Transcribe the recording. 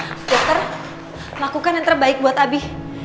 dokter lakukan yang terbaik buat abi